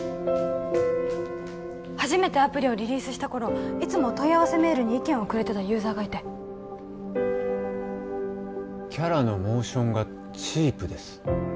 初めてアプリをリリースした頃いつも問い合わせメールに意見をくれてたユーザーがいて「キャラのモーションがチープです」